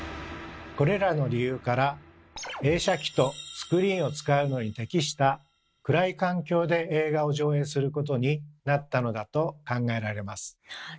これらの理由から映写機とスクリーンを使うのに適した暗い環境で映画を上映することになったのだと考えられます。